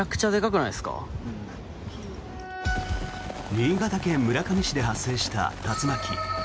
新潟県村上市で発生した竜巻。